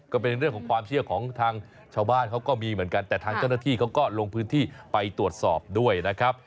ก็เป็นเรื่องของความเชื่อของทางชาวบ้านเขาก็มีเหมือนกันแต่ทางเจ้าหน้าที่เขาก็ลงพื้นที่ไปตรวจสอบด้วยนะครับ